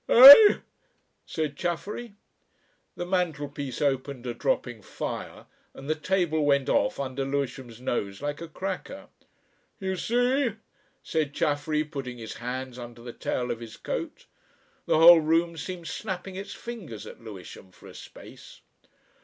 "Eh?" said Chaffery. The mantelpiece opened a dropping fire, and the table went off under Lewisham's nose like a cracker. "You see?" said Chaffery, putting his hands under the tail of his coat. The whole room seemed snapping its fingers at Lewisham for a space.